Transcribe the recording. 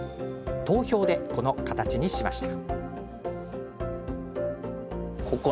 投票でこの形にしました。